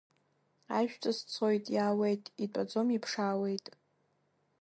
Ажәҵыс цоит, иаауеит, итәаӡом, иԥшаауеит.